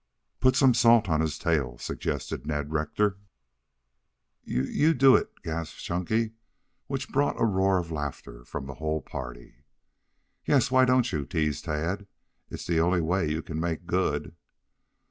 "Put some salt on his tail," suggested Ned Rector. "Y y y you do it," gasped Chunky, which brought a roar of laughter from the whole party. "Yes, why don't you?" teased Tad. "It's the only way you can make good."